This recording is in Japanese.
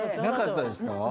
なかったんですか？